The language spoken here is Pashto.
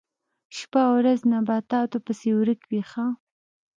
شپه او ورځ نباتاتو پسې ورک وي ښه.